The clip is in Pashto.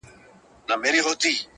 ستا په سترگو کي سندري پيدا کيږي،